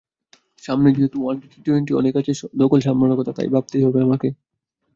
সামনে যেহেতু ওয়ানডে-টি-টোয়েন্টি অনেক আছে, ধকল সামলানোর কথা তাই ভাবতেই হবে আমাকে।